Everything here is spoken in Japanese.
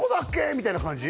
みたいな感じ？